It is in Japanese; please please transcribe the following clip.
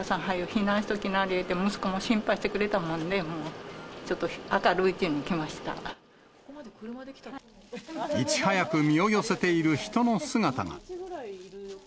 避難しときなって、息子も心配してくれたもんで、いち早く身を寄せている人の姿が。